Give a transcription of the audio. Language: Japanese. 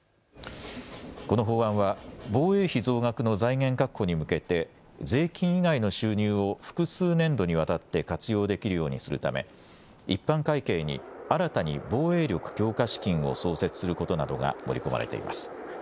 この法案は防衛費増額の財源確保に向けて税金以外の収入を複数年度にわたって活用できるようにするため、一般会計に新たに防衛力強化資金を創設することなどが盛り込まれています。